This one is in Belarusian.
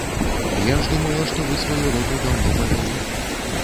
Я ж думала, што вы сваю роту даўно павялі.